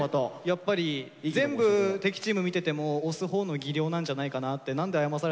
やっぱり全部敵チーム見てても押すほうの技量なんじゃないかなって何で謝らされたのかなってちょっと。